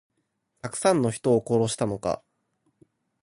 たくさんの人を殺したのか。